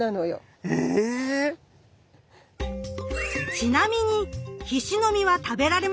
ちなみにヒシの実は食べられます。